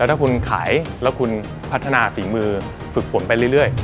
ถ้าคุณขายแล้วคุณพัฒนาฝีมือฝึกฝนไปเรื่อย